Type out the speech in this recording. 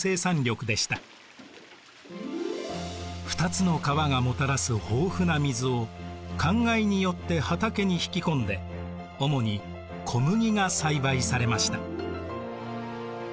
２つの川がもたらす豊富な水をかんがいによって畑に引き込んで主に小麦が栽培されました。